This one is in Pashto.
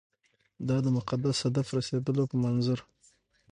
دا د مقدس هدف رسېدلو په منظور.